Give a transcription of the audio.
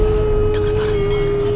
udah cepetan cepetan